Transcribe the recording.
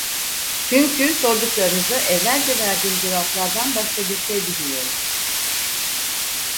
Çünkü sorduklarınıza evvelce verdiğim cevaplardan başka bir şey bilmiyorum.